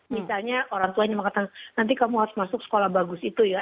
misalnya orang tua ini mau katakan nanti kamu harus masuk sekolah bagus itu ya